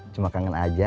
cuma kangen aja